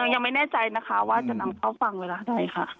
ยังไม่แน่ใจนะคะว่าจะนำเข้าฝั่งเวลาใดค่ะ